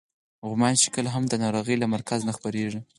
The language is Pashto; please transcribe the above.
غوماشې کله هم د ناروغۍ له مرکز نه خپرېږي.